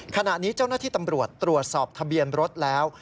ขณะนี้เจ้าหน้าที่ตำรวจตรวจสอบทะเบียนรถแล้ว